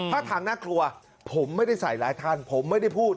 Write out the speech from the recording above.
ถ้าทางน่ากลัวผมไม่ได้ใส่ร้ายท่านผมไม่ได้พูด